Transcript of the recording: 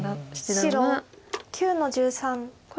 白９の十三ハネ。